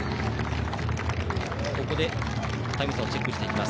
ここでタイム差をチェックします。